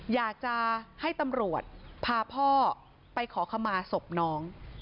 อยากจะให้ตำรวจพาพ่อไปขอขมาศพน้อง